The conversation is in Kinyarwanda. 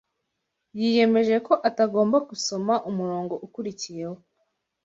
Yiyemeje ko atagomba gusoma umurongo ukurikiyeho